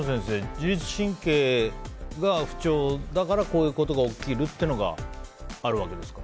自律神経が不調だからこういうことが起きるというのがあるわけですか？